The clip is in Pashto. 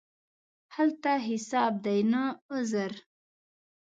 هلته حساب دی، نه عذر.